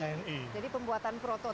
kalau weldin unggerudang kemudian ru enam juga